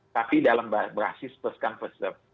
tapi dalam berhasil peskan pesep